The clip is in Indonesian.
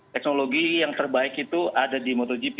teknologi yang terbaik itu ada di motogp